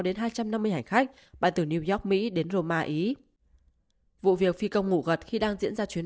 đến hai trăm năm mươi hành khách bay từ new york mỹ đến roma ý vụ việc phi công ngủ gật khi đang diễn ra chuyến